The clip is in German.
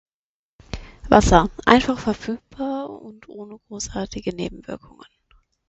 Wasser, einfach verfügbar und ohne großartige Nebenwirkungen.